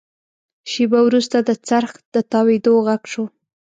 شېبه وروسته د څرخ د تاوېدو غږ شو.